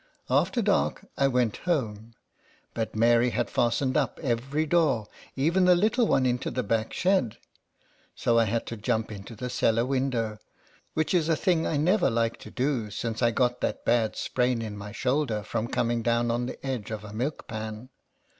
After dark, I went home; but Mary had fastened up every door, even the little one into the back shed. So I had to jump into the cellar window, which is a thing I never like to do since I got that bad sprain in my shoulder from coming down on the edge of a milk pan.